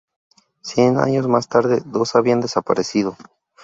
Cien años más tarde, dos habían desaparecido.